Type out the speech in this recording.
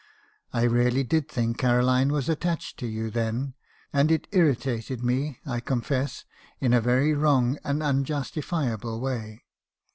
I really did think Caroline was attached to you then; and it irritated me, I confess, in a very wrong and unjustifiable way.